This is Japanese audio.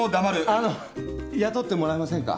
あの雇ってもらえませんか？